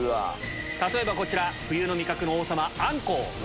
例えばこちら冬の味覚の王様。